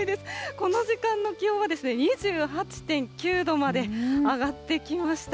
この時間の気温は２８．９度まで上がってきました。